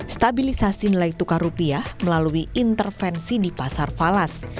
stabilisasi nilai tukar rupiah melalui intervensi di pasar falas